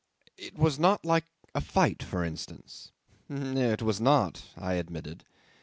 It was not like a fight, for instance." '"It was not," I admitted.